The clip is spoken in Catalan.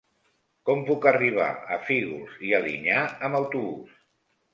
Com puc arribar a Fígols i Alinyà amb autobús?